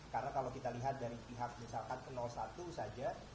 karena kalau kita lihat dari pihak misalkan ke satu saja